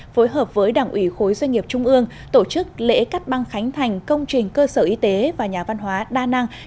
phối hợp với đảng ủy khối doanh nghiệp trung ương tổ chức lễ cắt băng khánh thành công trình cơ sở y tế và nhà văn hóa đa năng